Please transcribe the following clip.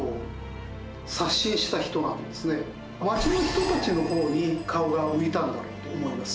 街の人たちの方に顔が向いたんだろうと思います。